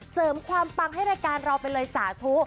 เสริมความปังให้รายการเราไปเลยสาธุ